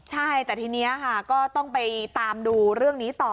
ใช่แต่ทีนี้ค่ะก็ต้องไปตามดูเรื่องนี้ต่อ